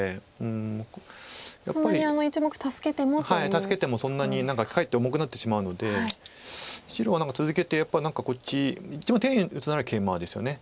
助けてもそんなに何かかえって重くなってしまうので白は何か続けてやっぱりこっち一番丁寧に打つならケイマですよね。